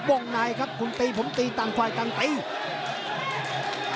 วงนายครับคุณตีผมตีต่างไทยต่างไทย